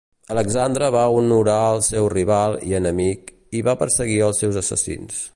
Alexandre va honorar el seu rival i enemic, i va perseguir els seus assassins.